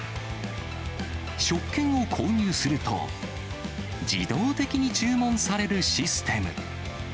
食券を購入すると、自動的に注文されるシステム。